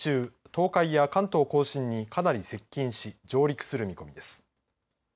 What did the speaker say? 東海や関東甲信にかなり接近し上陸する見込みです。